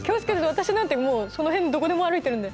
私なんてもうその辺どこでも歩いてるんで。